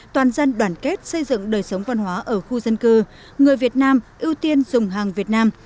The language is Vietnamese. toàn dân đoàn kết xây dựng đời sống văn hóa ở khu dân cư người việt nam ưu tiên dùng hàng việt nam